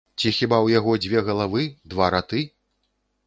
Ці хіба ў яго дзве галавы, два раты?